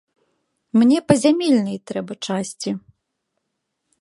Мне па зямельнай трэба часці.